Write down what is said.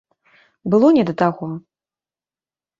Было не да таго.